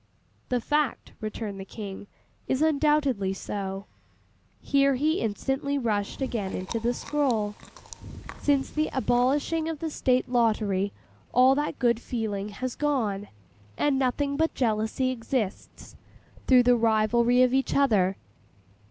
'The fact,' returned the King, 'is undoubtedly so.' Here he instantly rushed again into the scroll. '"Since the abolishing of the State Lottery all that good feeling has gone, and nothing but jealousy exists, through the rivalry of each other.